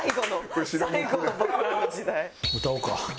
歌おうか。